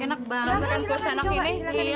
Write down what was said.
silahkan silahkan dicoba